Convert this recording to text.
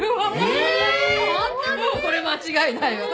これ間違いないわ。